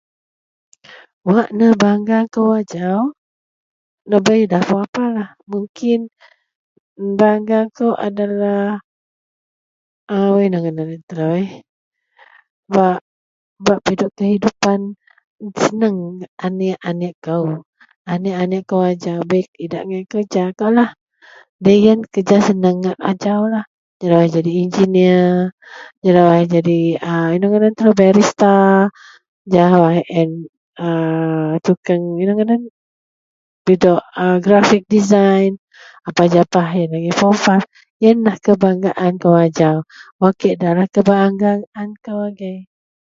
Wak ne bangga kou ajau debai idak mungkin dibangga kou ajau adalah bak pidok hidupan senang aniek aniek ko ajau bei idak kerja lo yian kerja ngk senang ngak ajau jelawaih engineer, jelawaih jadi bartister jelawaih grafik design apah japah yian agei fom 5 yianlah kebangga ko ajau kei debailah kebangga kou egei.